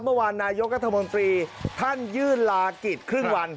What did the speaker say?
เมื่อวานนายกรัฐมนตรีท่านยื่นลากิจครึ่งวัน